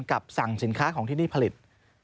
สั่งสินค้าของที่นี่ผลิต